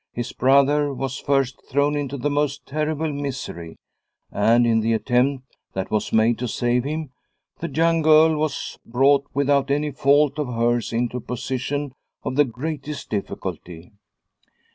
His brother was first thrown into the most terrible misery, and, in the attempt that was made to save him, the young girl was brought without any fault of hers into a position of the greatest difficulty.